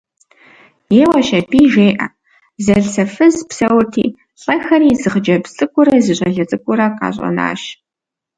Еуэщ аби, жеӏэ: зэлӏзэфыз псэурти, лӏэхэри зы хъыджэбз цӏыкӏурэ зы щӏалэ цӏыкӏурэ къащӏэнащ.